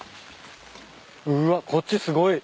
うわこっちすごい。